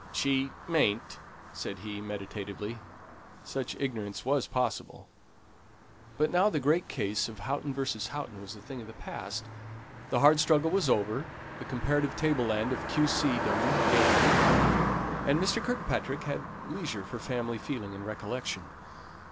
"She mayn't," said he, meditatively such ignorance was possible. But now the great case of Houghton v. Houghton was a thing of the past; the hard struggle was over, the comparative table land of Q. C. dom gained, and Mr. Kirkpatrick had leisure for family feeling and recollection.